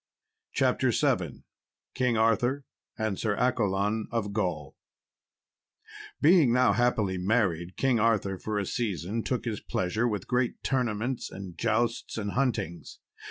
CHAPTER VII King Arthur and Sir Accolon of Gaul Being now happily married, King Arthur for a season took his pleasure, with great tournaments, and jousts, and huntings.